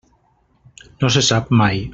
No se sap mai.